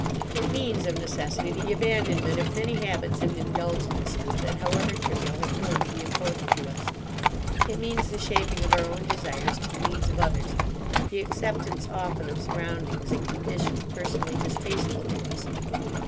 It means, of necessity, the abandonment of many habits and indulgences that however trivial have grown to be important to us. It means the shaping of our own desires to the needs of others; the acceptance often of surroundings and conditions personally distasteful to us.